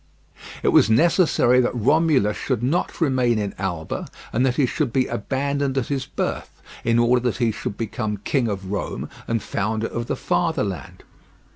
It was necessary that Romulus should not remain in Alba, and that he should be abandoned at his birth, in order that he should become King of Rome and founder of the fatherland.